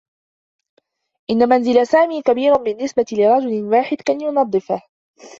إنّ منزل سامي كبير بالنّسبة لرجل واحد كي ينظّفه.